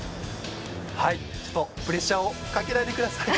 プレッシャーをかけないでください。